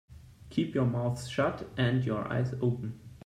Keep your mouth shut and your eyes open.